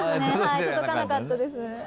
届かなかったです。